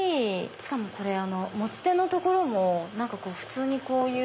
しかも持ち手のところも普通にこういう。